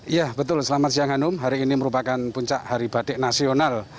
iya betul selamat siang hanum hari ini merupakan puncak hari batik nasional